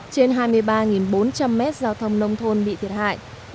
trên hai mươi ba bốn trăm linh mét giao thông nông thôn bị thiệt hại